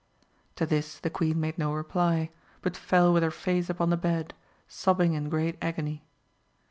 To this the queen made no reply, but fell with her face upon the bed, sobbing in great agony.